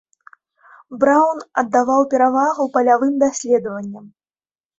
Браўн аддаваў перавагу палявым даследаванням.